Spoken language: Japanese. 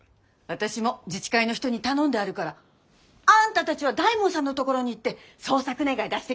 私も自治会の人に頼んであるからあんたたちは大門さんのところに行って捜索願い出してきな！